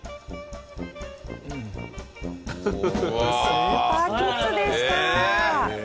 スーパーキッズでした。